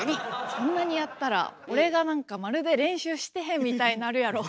「そんなにやったら俺がなんかまるで練習してへんみたいになるやろ」。